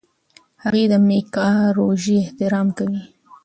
هغې د میکا روژې احترام کوي.